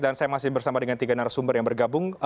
dan saya masih bersama dengan tiga narasumber yang bergabung